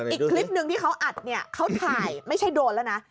อีกคลิปหนึ่งที่เขาอัดเนี่ยเขาถ่ายไม่ใช่โดรนแล้วนะ